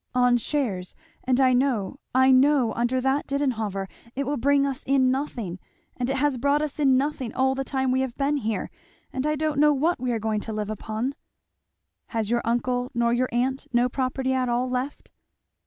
"On shares and I know, I know, under that Didenhover it will bring us in nothing, and it has brought us in nothing all the time we have been here; and I don't know what we are going to live upon." "Has your uncle nor your aunt no property at all left?"